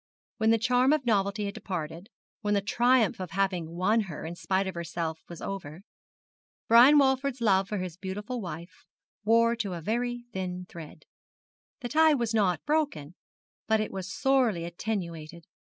When the charm of novelty had departed, when the triumph of having won her in spite of herself was over, Brian Walford's love for his beautiful wife wore to a very thin thread. The tie was not broken, but it was sorely attenuated.